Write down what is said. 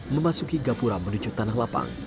memasuki gapura menuju tanah lapang